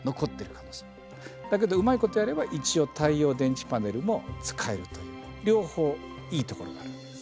だけどうまいことやれば一応太陽電池パネルも使えるという両方いいところがあるわけです。